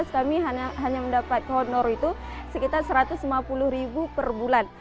dua ribu lima belas kami hanya mendapat honor itu sekitar rp satu ratus lima puluh per bulan